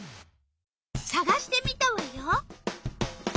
さがしてみたわよ。